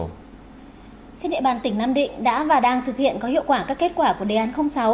trên địa bàn tỉnh nam định đã và đang thực hiện có hiệu quả các kết quả của đề án sáu